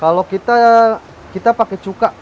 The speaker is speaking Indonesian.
kalau kita pakai cuka